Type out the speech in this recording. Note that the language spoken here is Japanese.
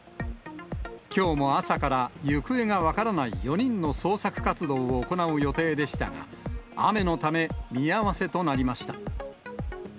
きょうも朝から行方が分からない４人の捜索活動を行う予定でしたが、雨のため、見合わせとなりました。